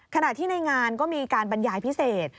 ขณะที่ในงานก็มีการบรรยายพิเศษ